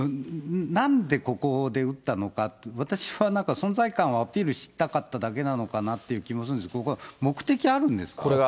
なんでここで打ったのかって、私はなんか、存在感をアピールしたかっただけなのかなって気もするんですけど、目的あるんですか？